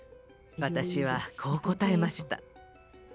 私はこう答えました。